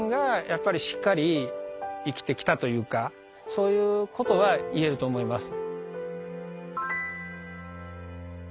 そういうことは言えると思います。